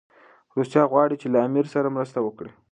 روسیه غواړي چي له امیر سره مرسته وکړي.